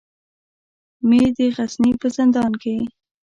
مې د غزني په زندان کې.